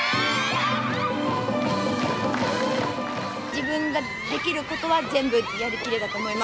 自分ができることは全部やりきれたと思います。